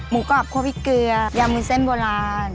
หมูกรอบขวบพริกเกลือยามุนเส้นโบราณ